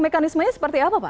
mekanismenya seperti apa pak